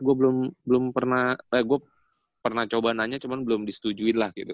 gua belum pernah eh gua pernah coba nanya cuman belum disetujuin lah gitu